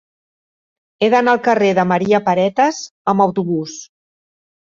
He d'anar al carrer de Maria Paretas amb autobús.